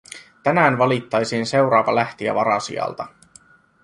Tänään valittaisiin seuraava lähtijä varasijalta.